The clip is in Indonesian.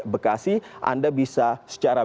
bekasi anda bisa secara